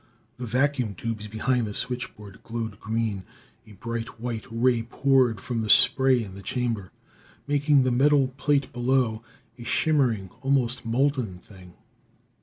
The vacuum tubes behind the switchboard glowed green; a bright white ray poured from the spray in the chamber, making the metal plate below a shimmering, almost molten thing.